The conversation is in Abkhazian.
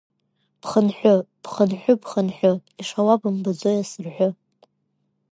Бхынҳәы, бхынҳәы, бхынҳәы, ишауа бымбаӡои асырҳәы?